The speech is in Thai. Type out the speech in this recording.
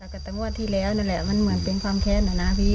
จากกันตั้งวันที่แล้วเนาะแหละมันเหมือนเป็นความแค้นหน่อยนะอะพี่